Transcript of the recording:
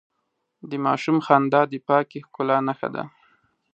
د ماشوم خندا د پاکې ښکلا نښه ده.